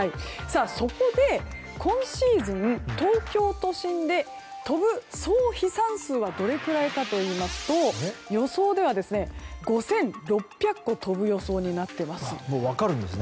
そこで、今シーズン東京都心で飛ぶ総飛散数はどれくらいかといいますと予想では５６００個飛ぶ予想になっています。